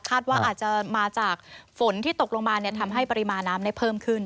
ว่าอาจจะมาจากฝนที่ตกลงมาทำให้ปริมาณน้ำได้เพิ่มขึ้น